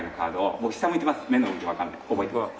僕下向いてます。